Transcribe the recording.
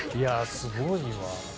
すごいわ。